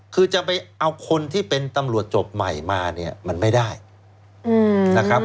คือจะไปเอาคนที่เป็นตำรวจจบใหม่มาเนี่ยมันไม่ได้นะครับ